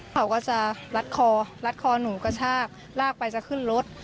เขาก็จะลัดคอรัดคอหนูกระชากลากไปจะขึ้นรถ